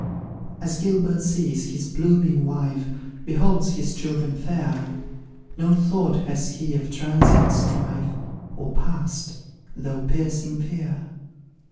As Gilbert sees his blooming wife, Beholds his children fair, No thought has he of transient strife, Or past, though piercing fear.